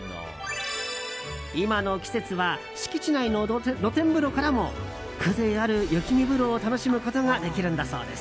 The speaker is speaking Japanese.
今の季節は敷地内の露天風呂からも風情ある雪見風呂を楽しむことができるんだそうです。